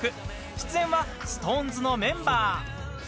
出演はＳｉｘＴＯＮＥＳのメンバー。